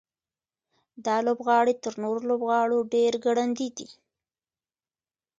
دا لوبغاړی تر نورو ټولو لوبغاړو ډېر ګړندی دی.